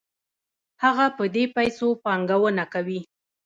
هغه په دې پیسو پانګونه کوي